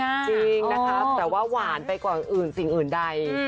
จริงนะคะแต่ว่าหวานไปกว่าอื่นสิ่งอื่นใด